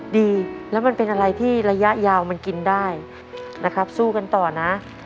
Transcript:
ดีแล้วมันเป็นอะไรที่ระยะยาวมันกินได้นะครับสู้กันต่อนะ